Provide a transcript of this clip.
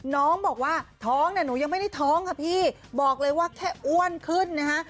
น้องบอกว่าท้องเนี่ยหนูยังไม่ได้ท้องค่ะพี่บอกเลยว่าแค่อ้วนขึ้นนะฮะ